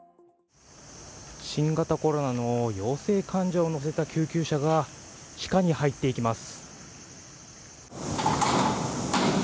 新型コロナの陽性患者を乗せた救急車が地下に入っていきます。